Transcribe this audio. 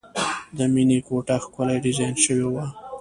د مینې کوټه ښکلې ډیزاین شوې وه